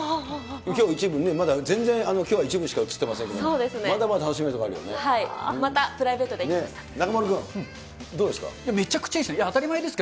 きょう一部ね、まだ全然、きょうは一部しか映っていませんが、まだまだ楽しめるところあるまたプライベートで行きます。